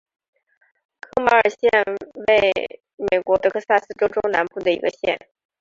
科马尔县位美国德克萨斯州中南部的一个县。